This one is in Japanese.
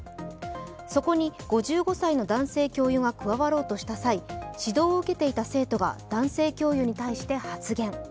そこに５５歳の男性教諭が加わろうとした際、指導を受けていた生徒が男性教諭に対して発言。